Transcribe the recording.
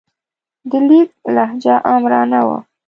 د لیک لهجه آمرانه وه.